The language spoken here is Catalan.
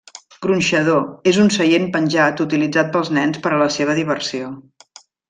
Gronxador: és un seient penjat utilitzat pels nens per a la seva diversió.